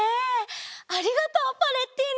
ありがとうパレッティーノ。